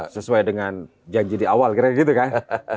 sesuai dengan janji di awal kira kira gitu kan